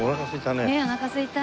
ねっおなかすいた。